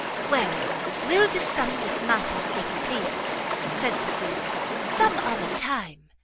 "Well, we'll discuss this matter, if you please," said Cecilia, "some other time."